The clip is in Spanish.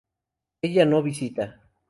Ella no visita